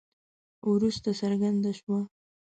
وروسته څرګنده شوه.